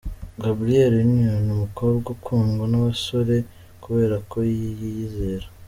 Gabrielle Union, umukobwa ukundwa nabasore kubera ko yiyizera.